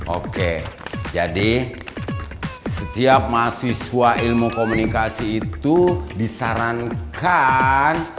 oke jadi setiap mahasiswa ilmu komunikasi itu disarankan